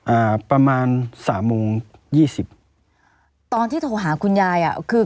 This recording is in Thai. อ่าประมาณสามโมงยี่สิบตอนที่โทรหาคุณยายอ่ะคือ